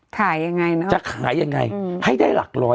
ขายยังไงเนอะจะขายยังไงให้ได้หลัก๑๐๐ล้าน